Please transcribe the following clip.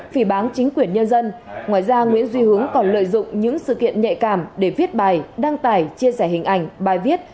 phỉ bán chính quyền nhân dân ngoài ra nguyễn duy hướng còn lợi dụng những sự kiện nhạy cảm để viết bài đăng tải chia sẻ hình ảnh bài viết